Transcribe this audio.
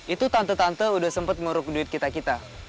itu tante tante udah sempet ngeruk duit kita kita